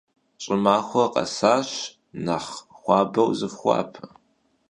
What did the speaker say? Ş'ımaxuer khesaş nexh xuabeu zıfxuape.